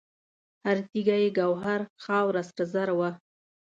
هر تیږه یې ګوهر، خاوره سره زر وه